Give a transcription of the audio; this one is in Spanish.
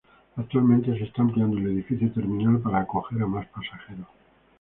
Actualmente se está ampliando el edificio terminal para acoger a más pasajeros.